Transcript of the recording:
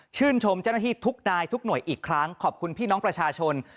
ชมเจ้าหน้าที่ทุกนายทุกหน่วยอีกครั้งขอบคุณพี่น้องประชาชน